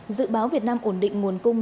dự báo việt nam ổn định nguồn cung